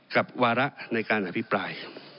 วาระในการอภิปราย